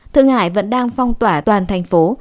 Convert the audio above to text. thượng hải vẫn đang phong tỏa toàn thành phố